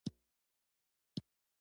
تنوردنان بوی ټول چاپیریال خوشبویه کوي.